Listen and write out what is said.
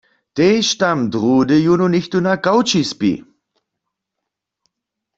Tež tam druhdy jónu něchtó na kawči spi.